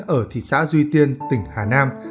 ở thị xã duy tiên tỉnh hà nam